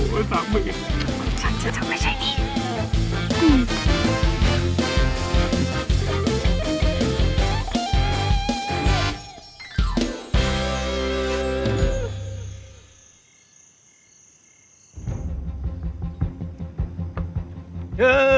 ฉันจะจัดไปใช้ดี